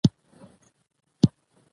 خو چي ښه نه وي درته غلیم سي